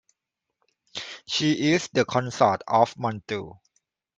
She is the consort of Montu.